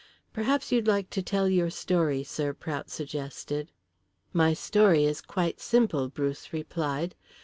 "Perhaps you'd like to tell your story, sir," Prout suggested. "My story is quite simple," Bruce replied.